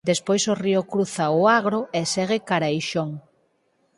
Despois o río cruza O Agro e segue cara a Eixón.